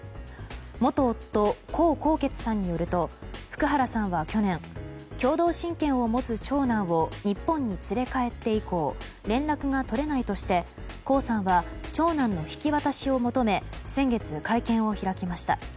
元夫・江宏傑さんによると福原さんは去年共同親権を持つ長男を日本に連れ帰って以降連絡が取れないとして江さんは長男の引き渡しを求め先月、会見を開きました。